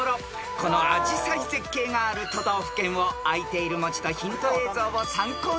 このアジサイ絶景がある都道府県をあいている文字とヒント映像を参考にお答えください］